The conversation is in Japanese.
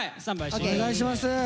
お願いします。